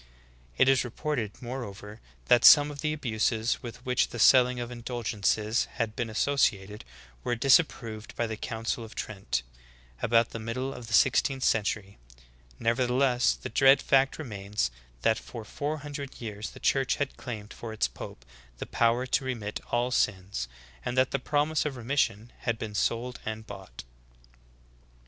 It is reported, moreover, that some of the abuses with Vv^hich the selling of indulgences had been associated were disapproved by the Council of Trent, about the middle of the sixteenth century. Nevertheless, the dread fact remains that for four hundred years the Church had claimed for its pope the povver to re mit all sins, and that the promise of remission had been sold and bought."